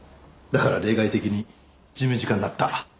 だから例外的に事務次官になった。